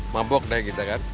mabok deh kita kan